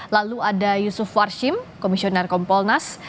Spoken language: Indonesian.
lalu ada yusuf warshim komisioner kompolnas